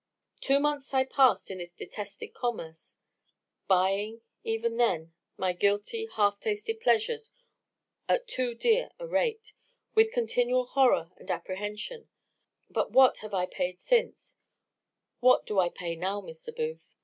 "Two months I passed in this detested commerce, buying, even then, my guilty, half tasted pleasures at too dear a rate, with continual horror and apprehension; but what have I paid since what do I pay now, Mr. Booth?